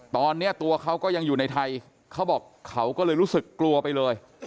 ตอนนี้ตัวเขาก็ยังอยู่ในไทยเขาบอกเขาก็เลยรู้สึกกลัวไปเลย